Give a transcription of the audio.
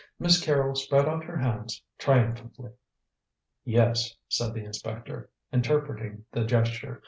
Miss Carrol spread out her hands triumphantly. "Yes," said the inspector, interpreting the gesture.